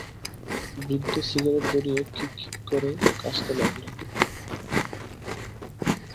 বৃদ্ধ সিগারেট ধরিয়ে খিকখিক করে কাশতে লাগলেন।